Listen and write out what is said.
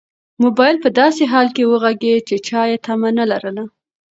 موبایل په داسې حال کې وغږېد چې چا یې تمه نه لرله.